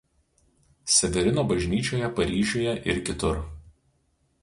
Severino bažnyčioje Paryžiuje ir kitur.